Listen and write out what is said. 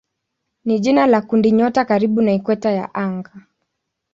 ni jina la kundinyota karibu na ikweta ya anga.